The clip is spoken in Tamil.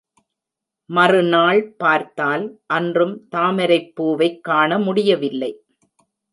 மறுநாள் பார்த்தால் அன்றும் தாமரைப்பூவைக் காணமுடியவில்லை.